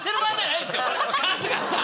春日さん！